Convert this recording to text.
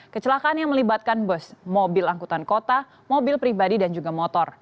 kecelakaan yang melibatkan bus mobil angkutan kota mobil pribadi dan juga motor